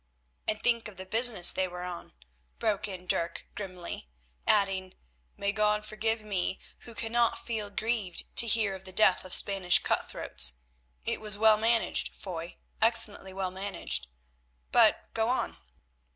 "And think of the business they were on," broke in Dirk grimly, adding, "May God forgive me who cannot feel grieved to hear of the death of Spanish cut throats. It was well managed, Foy, excellently well managed. But go on."